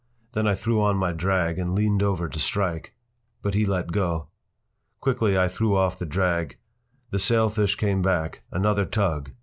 Then I threw on my drag and leaned over to strike. But he let go. Quickly I threw off the drag. The sailfish came back. Another tug!